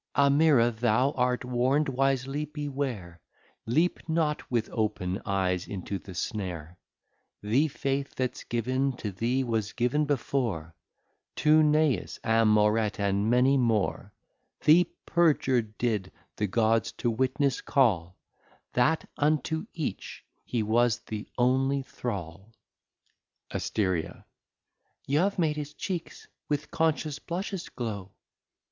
Amira, thou art warn'd, wisely beware, Leap not with Open Eyes into the Snare: The Faith that's given to thee, was given before To Nais, Amoret, and many more: The Perjur'd did the Gods to Witness call, That unto each he was the only Thrall. Aste. Y'ave made his Cheeks with Conscious blushes glow.